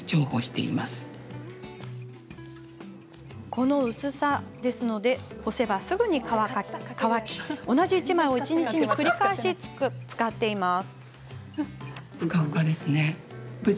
この薄さなので干せば、すぐ乾き同じ１枚を一日に繰り返し使っています。